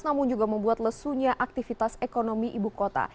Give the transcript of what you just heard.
namun juga membuat lesunya aktivitas ekonomi ibu kota